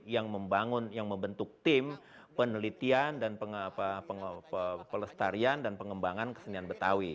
yang membentuk tim penelitian dan pelestarian dan pengembangan kesenian betawi